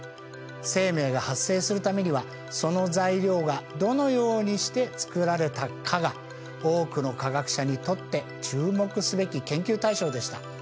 生命が発生するためにはその材料がどのようにしてつくられたかが多くの科学者にとって注目すべき研究対象でした。